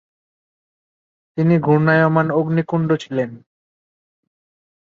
তিনি ঘূর্ণায়মান অগ্নিকুণ্ড ছিলেন।